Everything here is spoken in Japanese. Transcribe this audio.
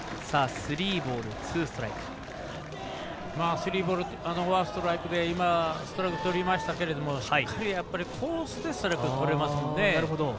スリーボールワンストライクでストライクとりましたけどもコースでしっかりストライクとれますもんね。